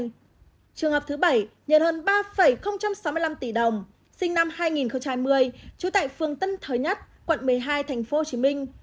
trường hợp thứ bảy nhận hơn ba sáu mươi năm tỷ đồng sinh năm hai nghìn một mươi trú tại phương tân thới nhất quận một mươi hai thành phố hồ chí minh